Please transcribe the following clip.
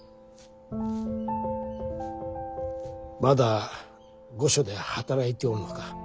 まだ御所で働いておるのか。